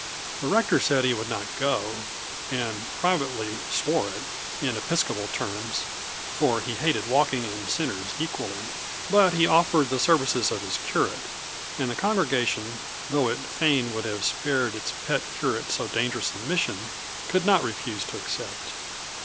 The rector said he would not go (and privately swore it, in episcopal terms, for he hated walking and sinners equally), but he offered the services of his curate; and the congregation, though it fain would have spared its pet curate so dangerous a mission, could not refuse to accept.